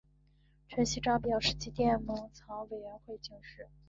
陈锡璋表示即电蒙藏委员会请示。